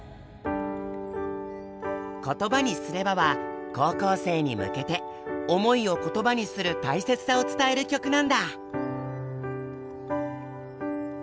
「言葉にすれば」は高校生に向けて思いを言葉にする大切さを伝える曲なんだ！